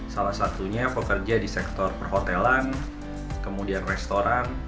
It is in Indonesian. salah satunya pekerja di sektor perhotelan kemudian restoran